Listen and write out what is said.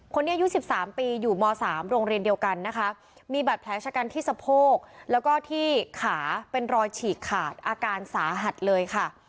อายุ๑๓ปีอยู่ม๓โรงเรียนเดียวกันนะคะมีบาดแผลชะกันที่สะโพกแล้วก็ที่ขาเป็นรอยฉีกขาดอาการสาหัสเลยค่ะ